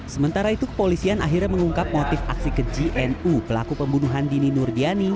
sementara itu kepolisian akhirnya mengungkap motif aksi kejinu pelaku pembunuhan dini nurdiani